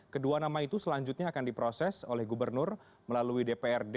kedua nama itu selanjutnya akan diproses oleh gubernur melalui dprd